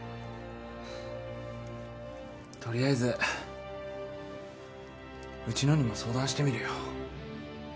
取りあえずうちのにも相談してみるよ